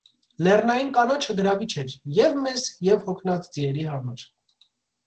Լեռնային կանաչը գրավիչ էր և´ մեզ, և´ հոգնած ձիերի համար: